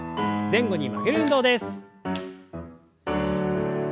前後に曲げる運動です。